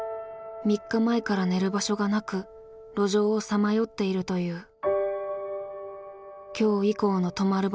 ３日前から寝る場所がなく路上をさまよっているという。